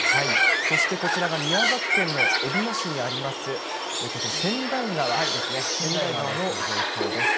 そしてこちらが宮崎県のえびの市にあります、こちら、川内川ですね。